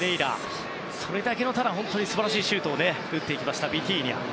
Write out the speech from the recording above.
それだけの素晴らしいシュートを打っていきましたビティーニャ。